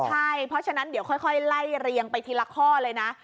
ใช่เพราะฉะนั้นเดี๋ยวค่อยไล่เรียงไปทีละข้อเลยนะ